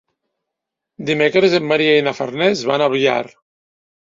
Dimecres en Maria i na Farners van a Biar.